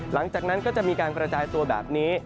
หลังจากนั้นก็จะมีการกระจายตัวแบบนี้